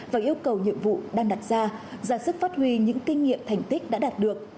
và yêu cầu nhiệm vụ đang đặt ra ra sức phát huy những kinh nghiệm thành tích đã đạt được